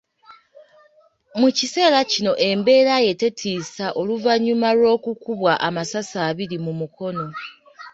Mu kiseera kino embeera ye tetiisa oluvannyuma lw’okukubwa amasasi abiri mu mukono.